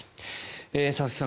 佐々木さん